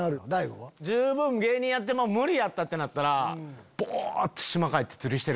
十分芸人やってもう無理やってなったら。